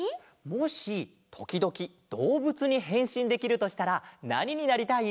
もしときどきどうぶつにへんしんできるとしたらなにになりたい？